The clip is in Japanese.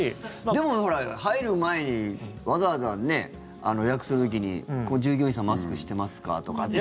でも、ほら入る前にわざわざ予約する時にここ、従業員さんマスクしてますか？とかって。